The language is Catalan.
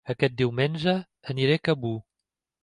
Aquest diumenge aniré a Cabó